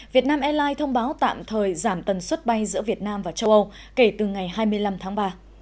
việt nam airlines thông báo tạm thời giảm tần suất bay giữa việt nam và châu âu kể từ ngày hai mươi năm tháng ba